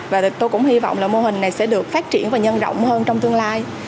và tôi cũng hy vọng là mô hình này sẽ được phát triển và nhân rộng hơn trong tương lai